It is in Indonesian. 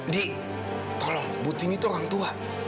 di tolong buti ini tuh orang tua